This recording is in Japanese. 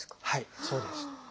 はいそうです。